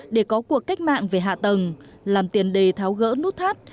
để có cuộc cách mạng về hạ tầng làm tiền đề tháo gỡ nút thắt